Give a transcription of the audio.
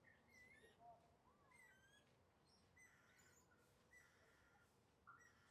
Kukohoa kutokana na kuwepo kwa maji katika mapafu